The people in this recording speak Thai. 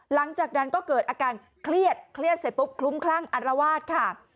หลังจากนั้นก็เกิดอาการเครียดเครียดเสร็จปุ๊บคลุ้มคลั่งอารวาสค่ะ